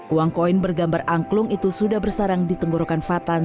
uang koin bergambar angklung itu sudah bersarang di tenggorokan fatan